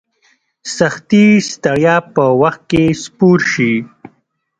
سختي ستړیا په وخت کې سپور شي.